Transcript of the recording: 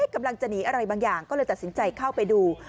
กำลังจะหนีอะไรบางอย่างก็เลยตัดสินใจเข้าไปดู